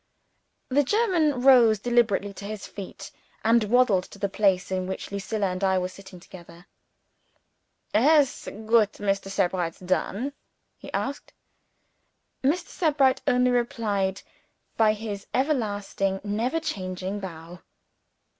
The German rose deliberately to his feet, and waddled to the place in which Lucilla and I were sitting together. "Has goot Mr. Sebrights done?" he asked. Mr. Sebright only replied by his everlasting never changing bow.